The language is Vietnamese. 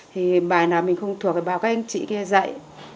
thì bài nào mình không thuộc thì bảo các anh chị kia dạy